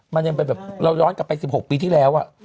มันยังเป็นแบบเราย้อนกลับไป๑๖ปีที่แล้ว